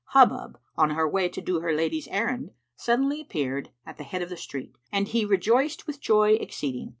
Hubub, on her way to do her lady's errand suddenly appeared at the head of the street and he rejoiced with joy exceeding.